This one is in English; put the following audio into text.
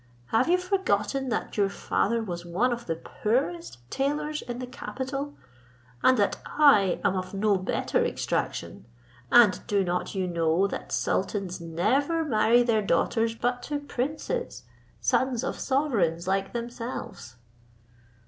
Have you forgotten that your father was one of the poorest tailors in the capital, and that I am of no better extraction; and do not you know that sultans never marry their daughters but to princes, sons of sovereigns like themselves?"